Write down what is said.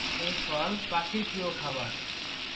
এই ফল পাখির প্রিয় খাবার।